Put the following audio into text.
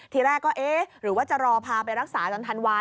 ทีแรกก็เอ๊ะหรือว่าจะรอพาไปรักษาจนธันวา